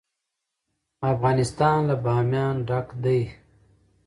افغانستان له بامیان ډک دی.